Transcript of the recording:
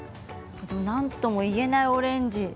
なんともいえないオレンジ。